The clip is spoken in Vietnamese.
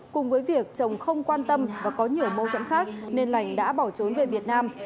cùng với việc chồng không quan tâm và có nhiều mâu thuẫn khác nên lành đã bỏ trốn về việt nam